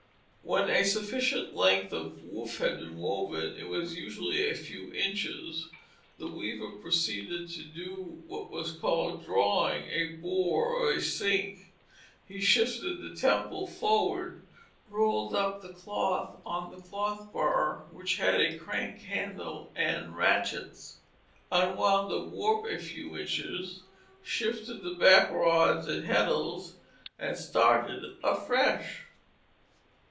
When a sufficient length of woof had been woven (it was usually a few inches), the weaver proceeded to do what was called drawing a bore or a sink. He shifted the temple forward; rolled up the cloth on the cloth bar, which had a crank handle and ratchets; unwound the warp a few inches, shifted back the rods and heddles, and started afresh.